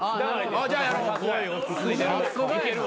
じゃあやろう。